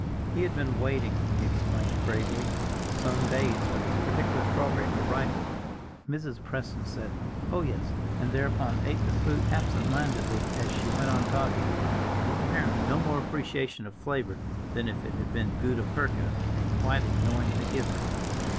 He had been waiting, he explained gravely, some days for this particular strawberry to ripen. Mrs. Preston said, "Oh, yes," and thereupon ate the fruit absent mindedly as she went on talking, with apparently no more appreciation of flavor than if it had been gutta percha, and quite ignoring the giver.